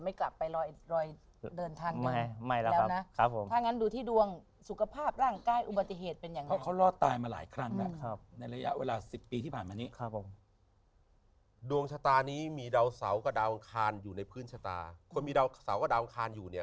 อันนี้อยากรู้วันไหนเดือนไหนจะช่วงดี